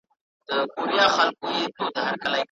تاسو د وزرونو ټولنیز رول څنګه ارزوی؟